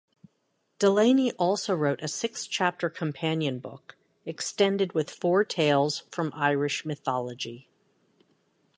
Delaney also wrote a six-chapter companion book, extended with four tales from Irish mythology.